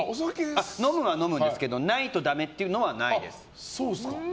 飲むは飲むんですけどないとだめっていうのはないです。